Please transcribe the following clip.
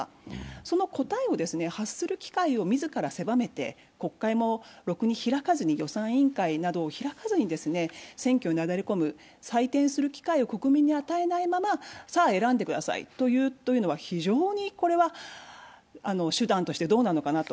その答えを発する機会を自ら狭めて国会もろくに開かずに、予算委員会などを開かずに選挙になだれ込む、採点する機会を国民に与えないままさあ選んでくださいというのは非常に手段としてどうなのかなと。